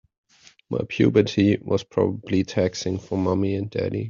My puberty was probably taxing for mommy and daddy.